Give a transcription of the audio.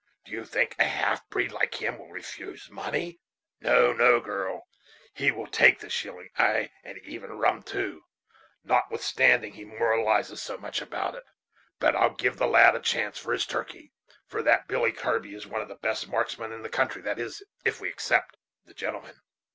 Do you think a half breed, like him, will refuse money? No, no, girl, he will take the shilling; ay! and even rum too, notwithstanding he moralizes so much about it, But I'll give the lad a chance for his turkey; for that Billy Kirby is one of the best marksmen in the country; that is, if we except the the gentleman."